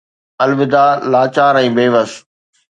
الوداع، لاچار ۽ بيوس